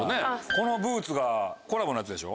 このブーツがコラボのやつでしょ？